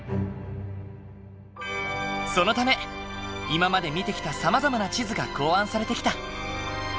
そのため今まで見てきたさまざまな地図が考案されてきた。